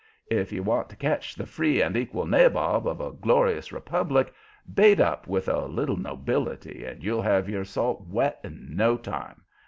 If you want to catch the free and equal nabob of a glorious republic, bait up with a little nobility and you'll have your salt wet in no time.